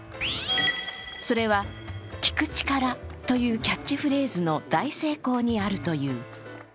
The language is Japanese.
それは聞く力というキャッチフレーズの大成功にあるという。